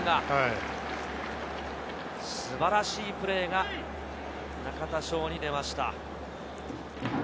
素晴らしいプレーが中田翔に出ました。